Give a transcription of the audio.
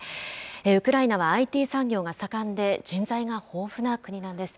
ウクライナはＩＴ産業が盛んで、人材が豊富な国なんです。